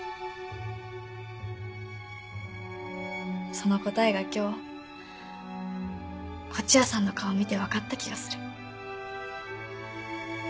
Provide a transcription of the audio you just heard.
その答えが今日東風谷さんの顔見て分かった気がする。